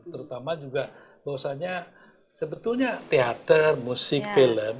terutama juga bahwasannya sebetulnya teater musik film